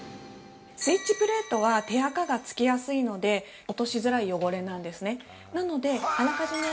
スイッチプレートは手あかがつきやすいので落としづらい汚れなんですね。